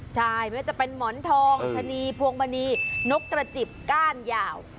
ใช่ไม่ว่าจะเป็นหมอนทองชะนีพวงมณีนกกระจิบก้านยาว